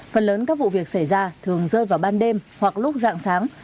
phần lớn các vụ việc xảy ra thường rơi vào ban đêm hoặc lúc dạng sáng